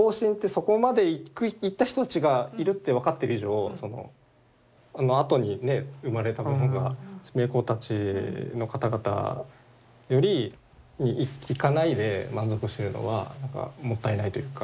そこまでいった人たちがいるって分かっている以上そのあとにね生まれたものが名工たちの方々よりいかないで満足してるのはなんかもったいないというか。